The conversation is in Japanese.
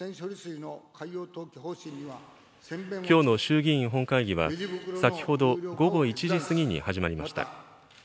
きょうの衆議院本会議は、先ほど午後１時過ぎに始まりました。